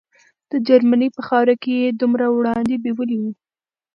د جرمني په خاوره کې یې دومره وړاندې بیولي وو.